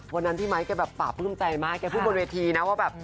วันนั้นพี่ไมค์แกแบบป่าปลื้มใจมากแกพูดบนเวทีนะว่าแบบ